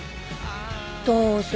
どうする？